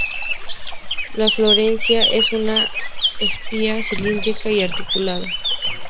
La inflorescencia es una espiga cilíndrica y articulada.